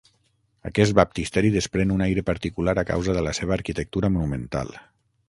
Aquest baptisteri desprèn un aire particular a causa de la seva arquitectura monumental.